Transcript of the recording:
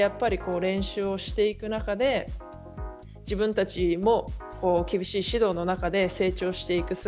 練習をしていく中で自分たちも厳しい指導の中で成長していく姿